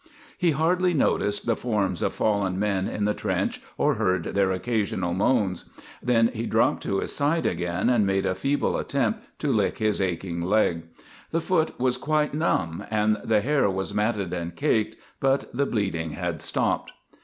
He hardly noticed the forms of fallen men in the trench or heard their occasional moans. Then he dropped to his side again and made a feeble attempt to lick his aching leg. The foot was quite numb and the hair was matted and caked, but the bleeding had stopped.